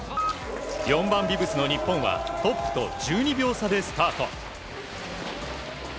４番ビブスの日本はトップと１２秒差でスタート。